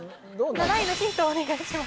７位のヒントお願いします